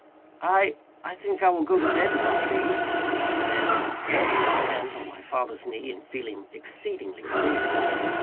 "I I think I will go to bed now, please," I said, laying my band on my father's knee, and feeling exceedingly queer.